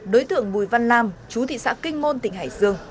đối tượng bùi văn lam chú thị xã kinh môn tỉnh hải dương